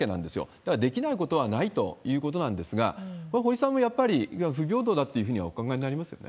だからできないことはないということなんですが、これ、堀さんもやっぱり、不平等だっていうふうにはお考えになりますよね？